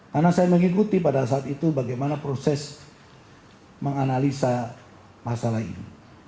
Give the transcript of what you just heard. karena saya mengikuti pada saat itu bagaimana proses menganalisa masalah ini